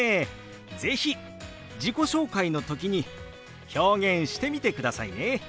是非自己紹介の時に表現してみてくださいね。